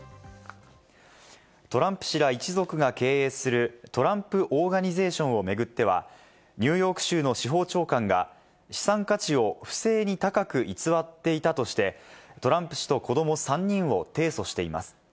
トランプ氏ら一族が経営するトランプ・オーガニゼーションを巡っては、ニューヨーク州の司法長官が資産価値を不正に高く偽っていたとして、トランプ氏と子ども３人を提訴しています。